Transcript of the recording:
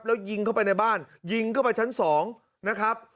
แล้วยิงเข้าไปในบ้านยิงเข้าไปชั้น๒นะครับ